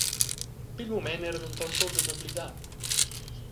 Pil mument era denton tut dad emblidar.